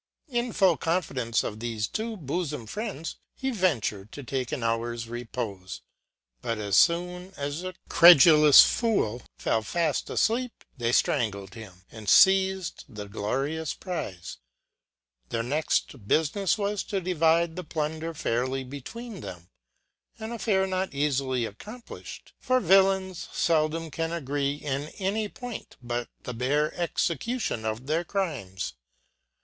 In full confidence of thefe two bofom friends, he ventured to take an hour's repofe ; but as foon as the credulous fool fell fafl: aflcep, they flirangled him, and feized the glorious prize. Their next bufinefs was to divide the plunder fairly between them j an affair not eafily accompliflied ; for vnllains feldom can agree in any point, but the bare execution of their crimes.